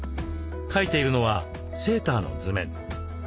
描いているのはセーターの図面。